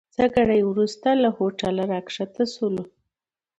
څه ګړی وروسته له هوټل راکښته سولو.